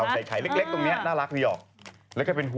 ใส่ไข่เล็กตรงนี้น่ารักเลยออก